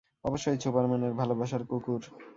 অবশ্যই, সুপারম্যানের ভালোবাসার কুকুর।